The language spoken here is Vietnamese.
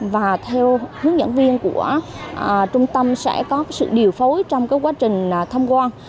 và theo hướng dẫn viên của trung tâm sẽ có sự điều phối trong quá trình thăm quan